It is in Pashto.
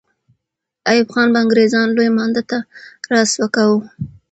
ایوب خان به انګریزان لوی مانده ته را سوه کاوه.